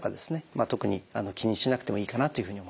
特に気にしなくてもいいかなというふうに思います。